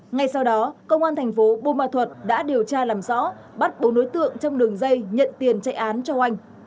ngay sau đó công an tp hcm đã điều tra làm rõ bắt bốn đối tượng trong đường dây nhận tiền chạy án cho oanh